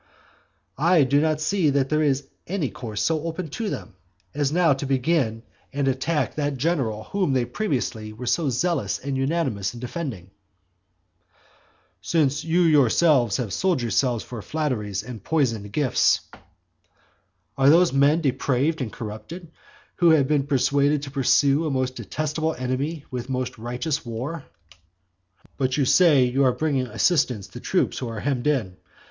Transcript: I do not see that there is any course so open to them, as now to begin and attack that general whom they previously were so zealous and unanimous in defending. "Since you yourselves have sold yourselves for flatteries and poisoned gifts". Are those men depraved and corrupted, who have been persuaded to pursue a most detestable enemy with most righteous war? "But you say, you are bringing assistance to troops who are hemmed in.